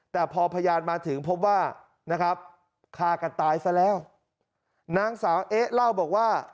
แต่พอพยานมาถึงพบว่านะครับฆ่ากันตายซะแล้วนางสาวเอ๊ะเล่าบอกว่า